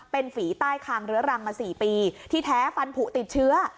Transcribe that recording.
เป็นฝีใต้คางเรื้อรังมา๔ปีที่แท้ฟันผูติดเชื้อ